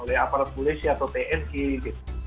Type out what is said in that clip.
oleh aparat polisi atau tni gitu